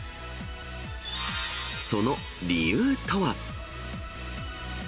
その理由とは。